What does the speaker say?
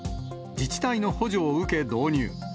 自治体の補助を受け導入。